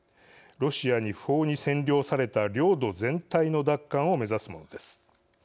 ロシアに不法に占領された領土全体の奪還を目指すものです。